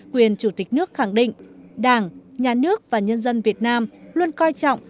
quyền chủ tịch nước khẳng định đảng nhà nước và nhân dân việt nam luôn coi trọng